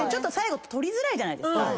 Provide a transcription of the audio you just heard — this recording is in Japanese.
最後取りづらいじゃないですか。